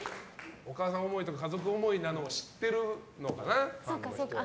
お母さん思いとか家族思いなのを知ってるのかな。